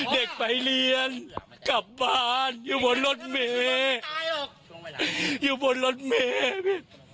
เด็กไปเรียนกลับบ้านอยู่บนรถเมย์อยู่บนรถเมฆ